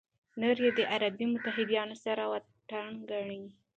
نور یې د عربي متحدینو سره واټن ګڼي.